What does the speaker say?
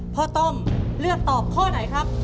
ต้อมเลือกตอบข้อไหนครับ